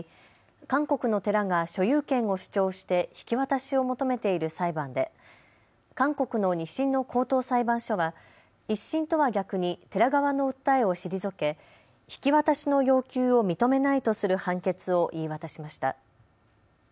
韓国の寺が所有権を主張して引き渡しを求めている裁判で韓国の２審の高等裁判所は１審とは逆に寺側の訴えを退け引き渡しの要求を認めないとする判決を言い渡しました。